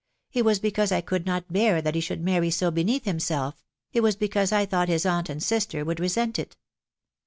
.... It was because I could not bear that he should marry so beneath him self .... it was because I thought his aunt and sister would resent it